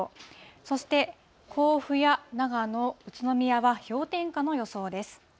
そして甲府や長野、宇都宮は氷点下の予想です。